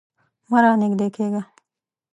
مه رانږدې کیږه